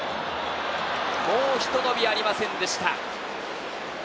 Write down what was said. もうひと伸びありませんでした。